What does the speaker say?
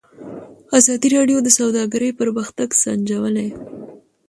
ازادي راډیو د سوداګري پرمختګ سنجولی.